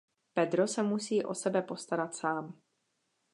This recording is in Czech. Pedro se musí o sebe postarat sám.